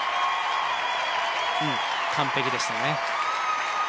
完璧でしたね。